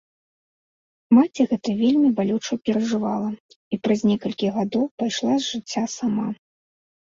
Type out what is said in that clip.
Маці гэта вельмі балюча перажывала і праз некалькі гадоў пайшла з жыцця сама.